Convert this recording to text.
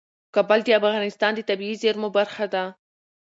کابل د افغانستان د طبیعي زیرمو برخه ده.